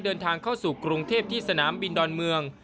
เดินทางเข้าสู่กรุงเทพที่สนามบินดอนเมือง